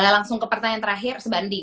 langsung ke pertanyaan terakhir sebandi